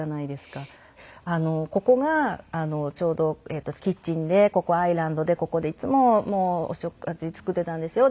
「ここがちょうどキッチンでここアイランドでここでいつもお食事作っていたんですよ」。